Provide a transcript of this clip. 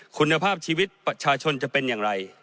คุณภาพชีวิตประชาชนจะเป็นอย่างไร